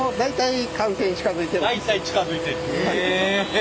大体近づいている。